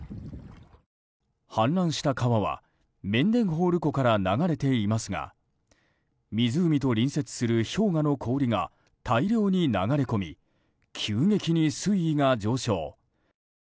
氾濫した川はメンデンホール湖から流れていますが湖と隣接する氷河の氷が大量に流れ込み急激に水位が上昇。